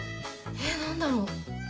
えっ何だろう？